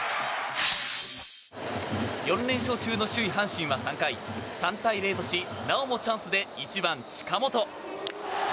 ４連勝中の首位、阪神は３回３対０としなおもチャンスで１番、近本。